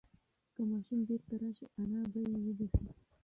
که ماشوم بیرته راشي انا به یې وبښي.